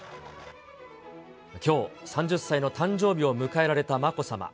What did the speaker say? きょう３０歳の誕生日を迎えられたまこさま。